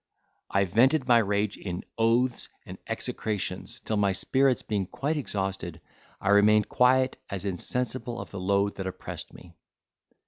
I vented my rage in oaths and execrations, till my spirits, being quite exhausted, I remained quiet, as insensible of the load that oppressed me.